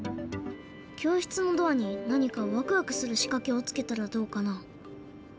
教室のドアに何かワクワクするしかけをつけたらどうかな？